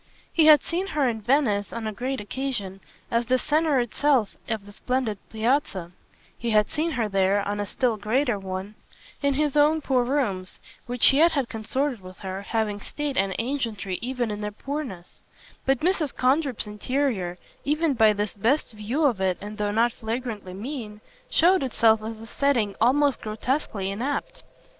He had seen her, in Venice, on a great occasion, as the centre itself of the splendid Piazza: he had seen her there, on a still greater one, in his own poor rooms, which yet had consorted with her, having state and ancientry even in their poorness; but Mrs. Condrip's interior, even by this best view of it and though not flagrantly mean, showed itself as a setting almost grotesquely inapt.